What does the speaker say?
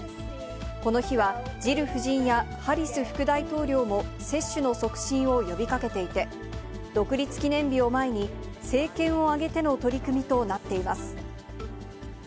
この日は、ジル夫人やハリス副大統領も、接種の促進を呼びかけていて、独立記念日を前に、政権を挙げての取り組みとなっています。